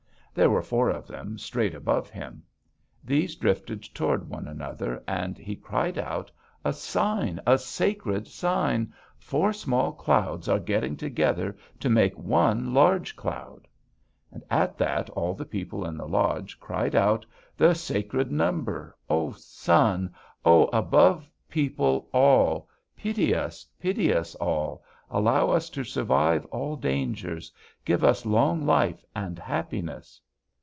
There were four of them straight above him. These drifted toward one another, and he cried out: 'A sign! A sacred sign! Four small clouds are getting together to make one large cloud!' "And at that all the people in the lodge cried out: 'The sacred number! Oh, sun! Oh, Above People all! Pity us! Pity us all! Allow us to survive all dangers! Give us long life and happiness!'